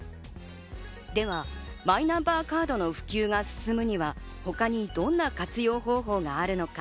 ではマイナンバーカードの普及が進むには他にどんな活用方法があるのか。